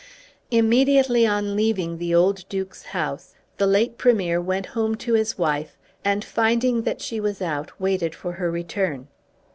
Immediately on leaving the old Duke's house, the late Premier went home to his wife, and, finding that she was out, waited for her return.